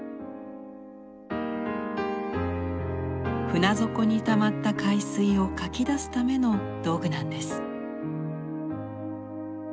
船底にたまった海水をかき出すための道具なんです。